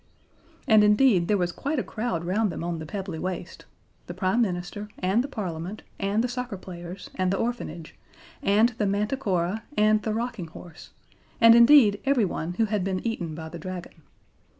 And indeed there was quite a crowd round them on the Pebbly Waste: the Prime Minister and the Parliament and the Soccer Players and the Orphanage and the Manticora and the Rocking Horse, and indeed everyone who had been eaten by the Dragon.